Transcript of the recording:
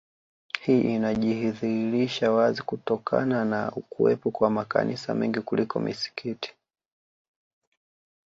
Hii inajidhihirisha wazi kutokana na kuwepo kwa makanisa mengi kuliko misikiti